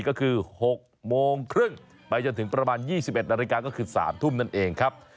ก็คือ๖โมงครึ่งไปจนถึงประมาณ๒๑นาฬิกาก็คือ๓ทุ่มนั่นเองครับ